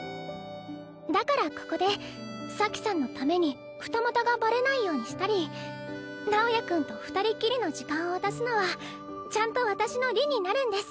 だからここで咲さんのために二股がバレないようにしたり直也君と二人っきりの時間を渡すのはちゃんと私の利になるんです。